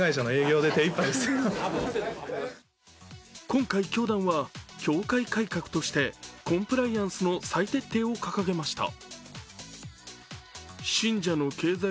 今回、教団は教会改革としてコンプライアンスの再徹底を掲げました。